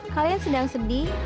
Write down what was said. kalian sedang sedih